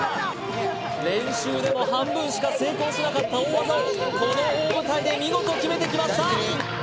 練習でも半分しか成功しなかった大技をこの大舞台で見事決めてきました